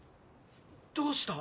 どうした？